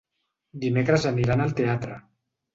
Dimecres aniran al teatre.